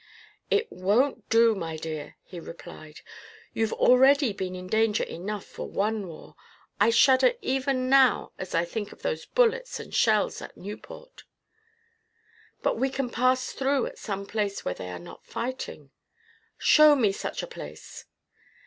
"It won't do, my dear," he replied. "You've already been in danger enough for one war. I shudder even now as I think of those bullets and shells at Nieuport." "But we can pass through at some place where they are not fighting." "Show me such a place!"